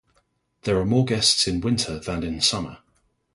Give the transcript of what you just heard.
There are more guests in winter than in summer.